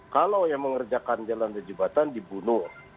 kalau yang mengerjakan jalan dan jembatan dibunuh